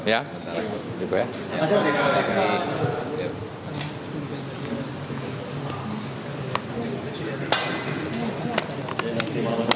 ya terima kasih